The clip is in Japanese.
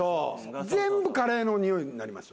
全部カレーのにおいになりますよ